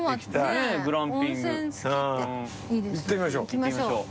行ってみましょう。